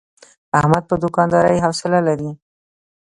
احمد په دوکاندارۍ حوصله لري.